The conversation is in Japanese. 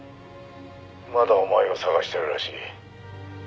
「まだお前を捜してるらしい」